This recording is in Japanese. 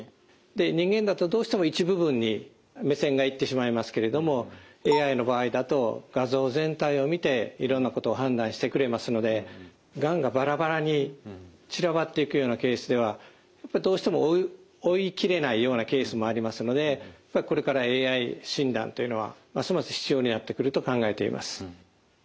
人間だとどうしても一部分に目線がいってしまいますけれどもＡＩの場合だと画像全体を見ていろんなことを判断してくれますのでがんがバラバラに散らばっていくようなケースではどうしても追い切れないようなケースもありますのでこれからＡＩ診断というのはますます必要になってくると考えています。